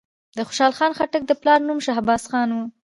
د خوشحال خان خټک د پلار نوم شهباز خان وو.